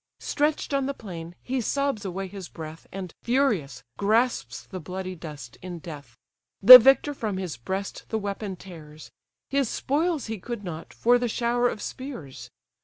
Stretch'd on the plain, he sobs away his breath, And, furious, grasps the bloody dust in death. The victor from his breast the weapon tears; His spoils he could not, for the shower of spears.